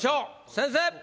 先生！